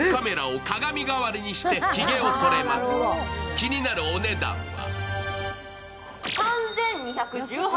気になるお値段は？